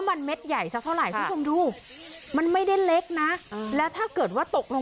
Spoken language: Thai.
มีประชาชนในพื้นที่เขาถ่ายคลิปเอาไว้ได้ค่ะ